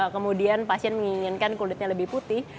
kemudian pasien menginginkan kulitnya lebih putih